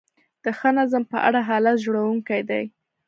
د ښه نظم په اړه حالت ژړونکی دی.